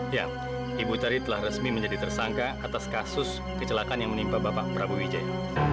ya ibu tari telah resmi menjadi tersangka atas kasus kecelakaan yang menimpa bapak prabowo wijaya